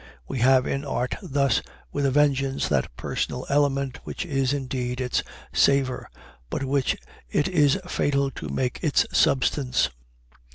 We have in art thus, with a vengeance, that personal element which is indeed its savor, but which it is fatal to make its substance.